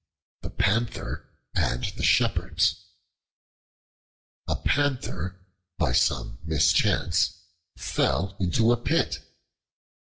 The Panther and the Shepherds A PANTHER, by some mischance, fell into a pit.